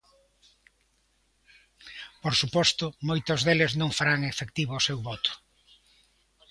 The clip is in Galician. Por suposto, moitos deles non farán efectivo o seu voto.